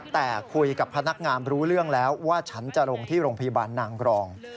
แต่คุยกับพนักงานรู้เรื่องแล้วว่าฉันจะลงที่โรงพยาบาลนางกรอง